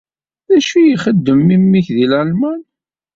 D acu ay ixeddem memmi-k deg Lalman?